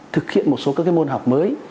thực hiện một số các môn học mới